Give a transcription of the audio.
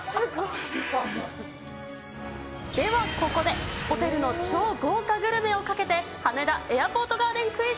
ではここで、ホテルの超豪華グルメをかけて、羽田エアポートガーデンクイズ。